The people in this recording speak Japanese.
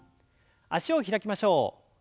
脚を開きましょう。